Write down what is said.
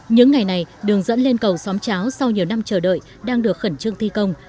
những ngày này đường dẫn lên cầu xóm cháo sau nhiều năm chờ đợi đang được khẩn trương thi công